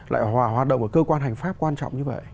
lại hòa hoạt động ở cơ quan hành pháp quan trọng như vậy